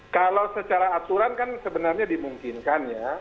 kalau secara aturan kan sebenarnya dimungkinkan ya